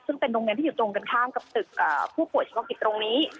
ซึ่งเป็นโรงเรียนที่อยู่ตรงกันข้ามกับตึกผู้ป่วยเฉพาะกิจตรงนี้